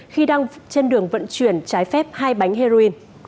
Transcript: khi đang trên đường vận chuyển trái phép hai bánh heroin